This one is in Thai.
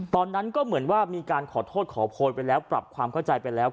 ตอนนั้นก็เหมือนว่ามีการขอโทษขอโพยไปแล้วปรับความเข้าใจไปแล้ว